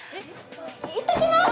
行ってきます！